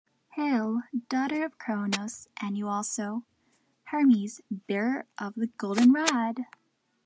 Hail, Daughter of Cronos, and you also, Hermes, bearer of the golden rod!